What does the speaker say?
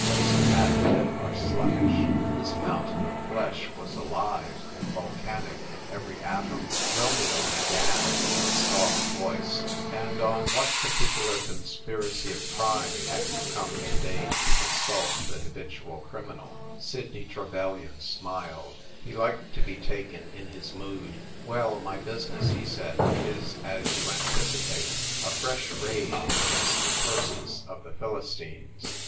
Most fat men are sluggish : this mountain of flesh was alive and volcanic in every atom. Romeo 150 THE TYPE WRITER GIRL. began in his soft voice, "And on what par ticular conspiracy of crime have you come to day to consult the habitual criminal ?" Sidney Trevelyan smiled. He liked to be taken in his mood. " Well, my business," he said, "is, as you anticipate, a fresh raid against the purses of the Philistines.